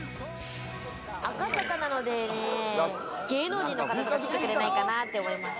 赤坂なのでね、芸能人の方とか来てくれないかなって思います。